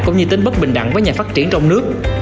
cũng như tính bất bình đẳng với nhà phát triển trong nước